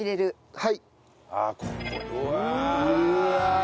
はい。